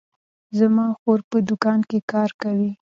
زما خور په دوکان کې کار کوي